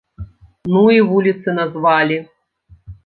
Ну і вуліцы назвалі.